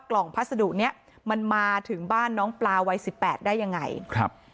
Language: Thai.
กล่องพัสดุเนี้ยมันมาถึงบ้านน้องปลาวัยสิบแปดได้ยังไงครับ